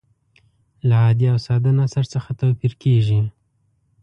له عادي او ساده نثر څخه توپیر کیږي.